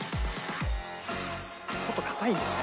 ちょっと硬いんだよね。